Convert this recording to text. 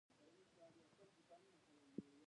افغانستان د هرات له مخې پېژندل کېږي.